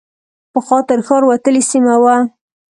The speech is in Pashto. پخوا تر ښار وتلې سیمه وه.